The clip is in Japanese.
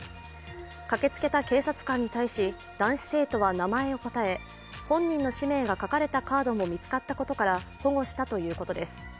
駆けつけた警察官に対し男子生徒は名前を答え、本人の氏名が書かれたカードも見つかったことから保護したということです。